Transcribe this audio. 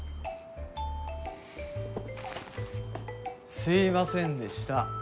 すいませんでした。